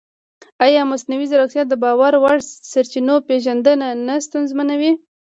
ایا مصنوعي ځیرکتیا د باور وړ سرچینو پېژندنه نه ستونزمنوي؟